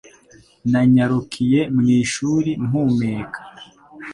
Nanyarukiye mu ishuri mpumeka.